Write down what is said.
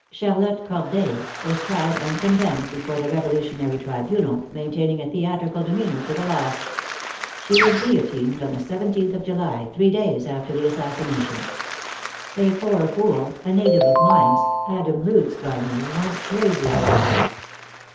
Charlotte Corday was tried and condemned before the revolutionary tribunal, maintaining a theatrical demeanor to the last. She was guillotined on the 17th of July, three days after the assassination. A poor fool, a native of Mainz, Adam Lutz by name, went crazy over her.